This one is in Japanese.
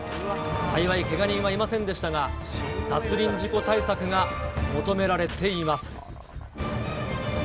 幸い、けが人はいませんでしたが、脱輪事故対策が求められています。